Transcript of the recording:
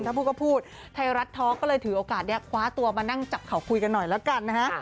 ถ้าพูดก็พูดไทยรัฐท็อกก็เลยถือโอกาสนี้คว้าตัวมานั่งจับเขาคุยกันหน่อยแล้วกันนะฮะ